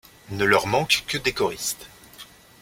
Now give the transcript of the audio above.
Ne leur manquent que des choristes.